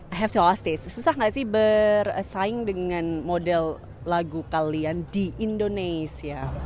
i have to ask this susah gak sih bersaing dengan model lagu kalian di indonesia